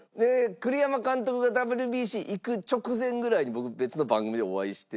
栗山監督がＷＢＣ行く直前ぐらいに僕別の番組でお会いして。